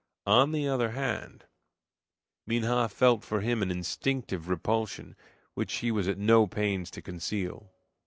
On the other hand, Minha felt for him an instinctive repulsion which she was at no pains to conceal.